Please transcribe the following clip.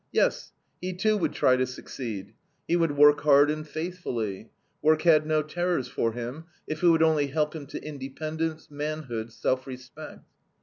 Yes, he too would try to succeed. He would work hard and faithfully. Work had no terrors for him, if it would only help him to independence, manhood, self respect.